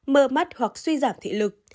mờ mắt hoặc suy giảm thị lực